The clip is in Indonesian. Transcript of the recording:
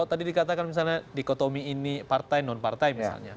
tadi dikatakan misalnya dikotomi ini partai nonpartai misalnya